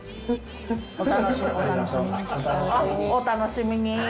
「お楽しみに」